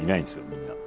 みんな。